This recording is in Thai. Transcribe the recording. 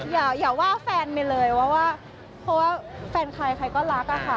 อย่าว่าแฟนไปเลยว่าเพราะว่าแฟนใครใครก็รักอะค่ะ